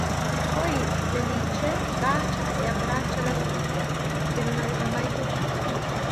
Hoyt, felice, bacia e abbraccia la figlia che non aveva mai conosciuto.